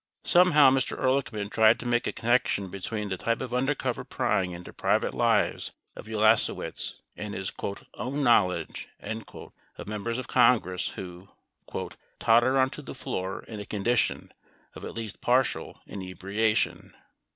25 Somehow Mr. Ehrlichman tried to make a connection between the type of undercover prying into private lives of Hlasewicz and his "own knowledge" of Members of Congress who "totter onto the floor in a condition of at least partial inebriation."